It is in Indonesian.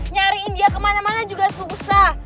nyariin dia kemana mana juga susah